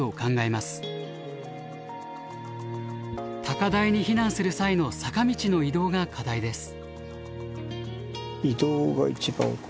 高台に避難する際の坂道の移動が課題です。